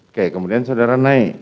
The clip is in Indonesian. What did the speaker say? oke kemudian saudara naik